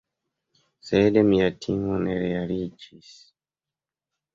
Sed mia timo ne realiĝis.